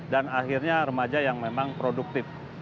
dan akhirnya remaja yang memang produktif